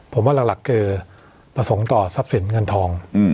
ผมว่าหลักคือประสงค์ต่อทรัพย์สินเงินทอง